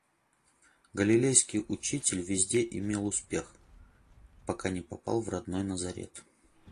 Галилейский учитель везде имел успех, пока не попал в родной Назарет.